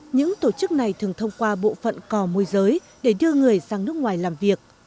những tổ chức này thường thông qua bộ phận cò môi giới